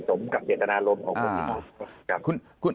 สมกับเศรษฐนารมณ์ของคุณ